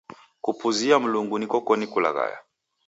Kupuzia Mlungu nikokoni kulaghaya.